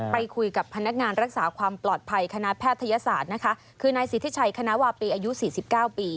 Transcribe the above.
ไปคุยกับพนักงานรักษาความปลอดภัยคณะแพทยศาสตร์นะคะคือนายสิทธิชัยคณะวาปีอายุ๔๙ปี